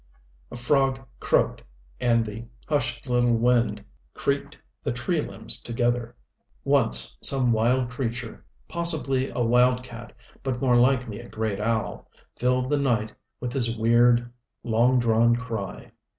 A frog croaked, and the hushed little wind creaked the tree limbs together. Once some wild creature possibly a wildcat, but more likely a great owl filled the night with his weird, long drawn cry.